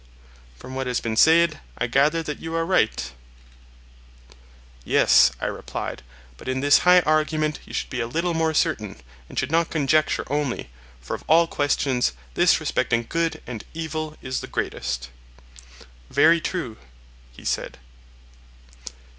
From what has been said, I gather that you are right. Yes, I replied, but in this high argument you should be a little more certain, and should not conjecture only; for of all questions, this respecting good and evil is the greatest. Very true, he said.